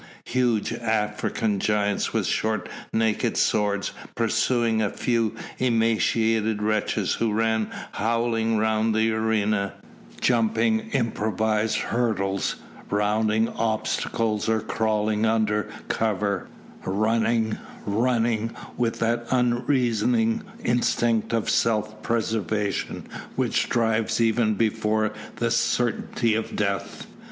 Huge African giants with short naked swords pursuing a few emaciated wretches who ran howling round the arena, jumping improvised hurdles, rounding obstacles or crawling under cover, running, running with that unreasoning instinct of self preservation which drives even before the certainty of death.